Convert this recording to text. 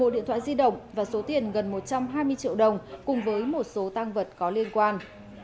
một điện thoại di động và số tiền gần một trăm hai mươi triệu đồng cùng với một số tăng vật có liên quan